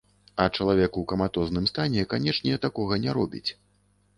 А чалавек у каматозным стане, канечне, такога не робіць.